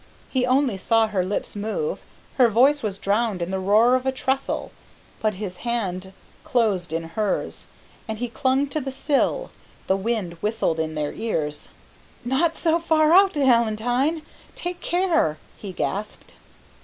He only saw her lips move; her voice was drowned in the roar of a trestle, but his hand closed in hers and he clung to the sill. The wind whistled in their ears. "Not so far out, Valentine, take care!" he gasped.